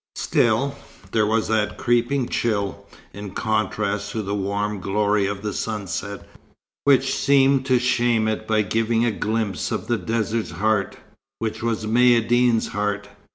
Still, there was that creeping chill, in contrast to the warm glory of the sunset, which seemed to shame it by giving a glimpse of the desert's heart, which was Maïeddine's heart.